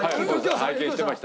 拝見してました。